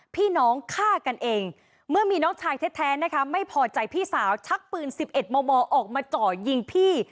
พี่น้องฆ่ากันเองเมื่อมีน้องชายแท้นะคะไม่พอใจพี่สาวชักปืน๑๑มมออกมาเจาะยิงพี่